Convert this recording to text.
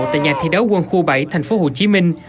tại nhà thi đấu quân khu bảy thành phố hồ chí minh